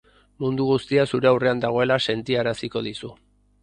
Mundu guztia zure aurrean dagoela sentiaraziko dizu.